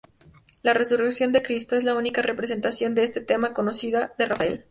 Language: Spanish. La "Resurrección de Cristo" es la única representación de este tema conocida de Rafael.